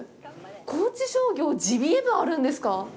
高知商業、ジビエ部あるんですか？